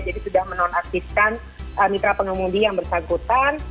jadi sudah menonaktifkan mitra pengemudi yang bersangkutan